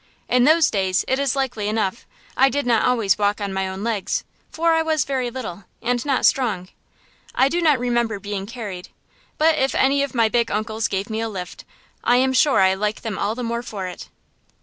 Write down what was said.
In those days, it is likely enough, I did not always walk on my own legs, for I was very little, and not strong. I do not remember being carried, but if any of my big uncles gave me a lift, I am sure I like them all the more for it.